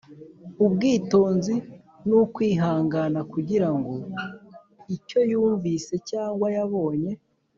ubwitonzi n’ukwihangana, kugira ngo icyoyumvise cyangwa yabonye